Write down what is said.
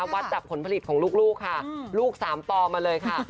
วัดจากผลผลิตของลูกค่ะลูกสามปอมาเลยค่ะ